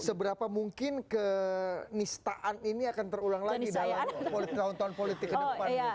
seberapa mungkin kenistaan ini akan terulang lagi dalam tahun tahun politik ke depan